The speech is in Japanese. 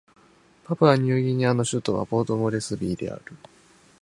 パプアニューギニアの首都はポートモレスビーである